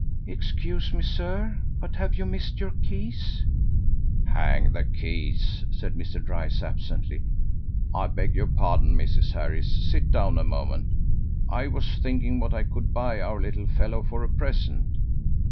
"Excuse me, sir, but have you missed your keys?" "Hang the keys!" said Mr. Dryce absently. "I beg your pardon, Mrs. Harris; sit down a moment. I was thinking what I could buy our little fellow for a present."